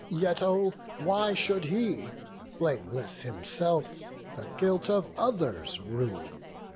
Yet oh why should he, Blameless himself, the guilt of others rue?